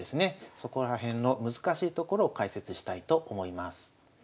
そこら辺の難しいところを解説したいと思います。